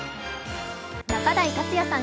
仲代達矢さん